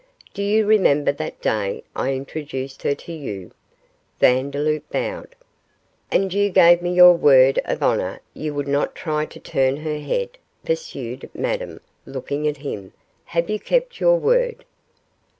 'Do you remember that day I introduced her to you?' Vandeloup bowed. 'And you gave me your word of honour you would not try to turn her head,' pursued Madame, looking at him; 'have you kept your word?